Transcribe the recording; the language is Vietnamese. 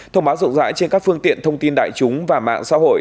thông báo rộng rãi trên các phương tiện thông tin đại chúng và mạng xã hội